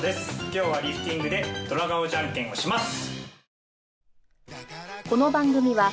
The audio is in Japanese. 今日はリフティングでドラガオじゃんけんをします。